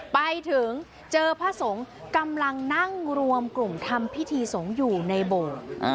ไปถึงเจอพระสงฆ์กำลังนั่งรวมกลุ่มทำพิธีสงฆ์อยู่ในโบสถ์